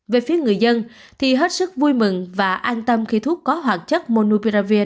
về phía người dân thì hết sức vui mừng và an tâm khi thuốc có hoạt chất monuperavir